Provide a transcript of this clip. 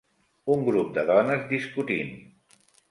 Un grup de dones discutint.